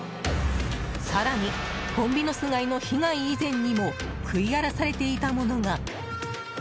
更にホンビノス貝の被害以前にも食い荒らされていたものが。